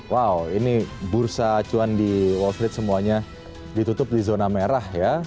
wow ini bursa acuan di wall street semuanya ditutup di zona merah ya